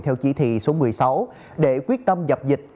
theo chỉ thị số một mươi sáu để quyết tâm dập dịch